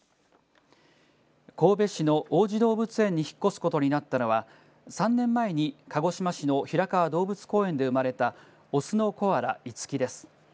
神戸市の王子動物園に引っ越すことになったのは３年前に鹿児島市の平川動物公園で生まれた雄のコアラ、イツキです。